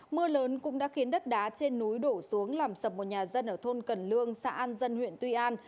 mưa lớn cũng đã khiến đất đá trên núi đổ xuống làm sập một nhà dân ở thôn cần lương xã an dân huyện tuy an